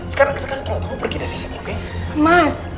sekarang kamu pergi dari sini oke mas